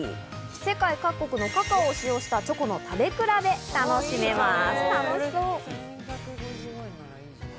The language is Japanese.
世界各国のカカオを使用したチョコの食べ比べが楽しめます。